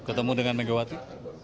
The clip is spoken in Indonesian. ketemu dengan megawati